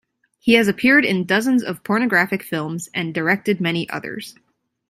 He has appeared in dozens of pornographic films, and directed many others.